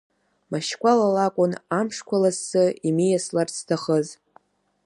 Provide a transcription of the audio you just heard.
Машьқәала лакәын амшқәа лассы имиасларц зҭахыз.